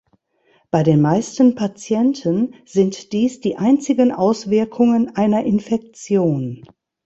Bei den meisten Patienten sind dies die einzigen Auswirkungen einer Infektion.